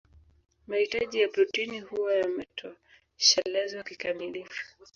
Mahitaji ya protini huwa yametoshelezwa kikamilifu